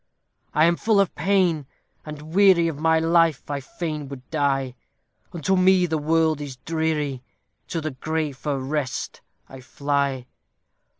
I am full of pain, and weary Of my life; I fain would die: Unto me the world is dreary; To the grave for rest I fly.